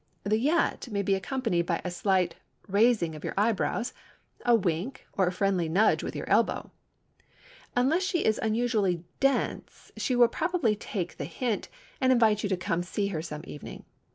The "yet" may be accompanied by a slight raising of your eyebrows, a wink, or a friendly nudge with your elbow. Unless she is unusually "dense" she will probably "take the hint" and invite you to come and see her some evening.